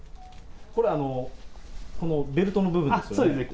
これ、このベルトの部分でそうですね。